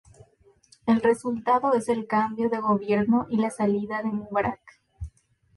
El resultado es el cambio de gobierno y la salida de Mubarak.